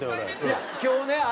いや今日ね